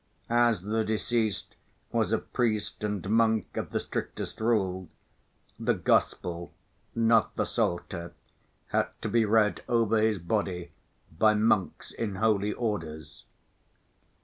As the deceased was a priest and monk of the strictest rule, the Gospel, not the Psalter, had to be read over his body by monks in holy orders.